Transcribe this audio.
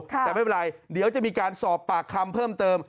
แต่ไม่เป็นไรเดี๋ยวจะมีการสอบปากคำเพิ่มเติม